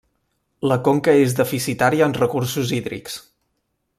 La conca és deficitària en recursos hídrics.